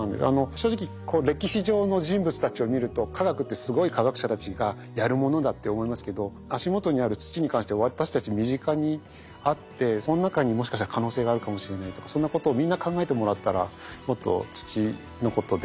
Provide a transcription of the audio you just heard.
正直歴史上の人物たちを見ると科学ってすごい科学者たちがやるものだって思いますけど足元にある土に関して私たち身近にあってその中にもしかしたら可能性があるかもしれないとかそんなことをみんな考えてもらったらもっと土のことでみんなでワクワクできるかなと思います。